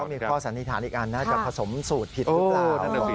มีข้อสันนิษฐานอีกอันน่ะผสมสูตรผิดครึ่งน่ะ